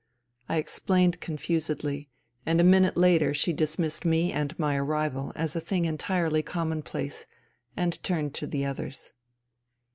I explained confusedly, and a minute later she dismissed me and my arrival as a thing entirely commonplace, and turned to the others.